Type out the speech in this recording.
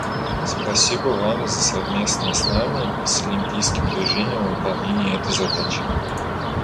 Спасибо вам за совместное с нами и с Олимпийским движением выполнение этой задачи.